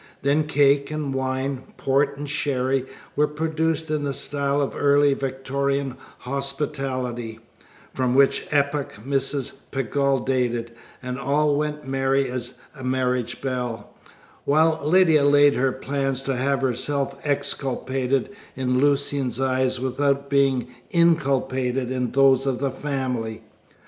Then cake and wine, port and sherry, were produced in the style of early Victorian hospitality, from which epoch Mrs. Pegall dated, and all went merry as a marriage bell, while Lydia laid her plans to have herself exculpated in Lucian's eyes without being inculpated in those of the family.